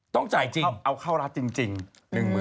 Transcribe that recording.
ต้องจ่ายจริงเอาเข้ารัฐจริง